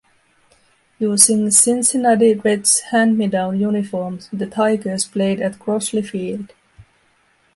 Using Cincinnati Reds hand-me-down uniforms, the Tigers played at Crosley Field.